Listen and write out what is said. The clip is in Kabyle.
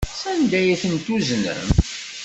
Sanda ay tent-tuznem?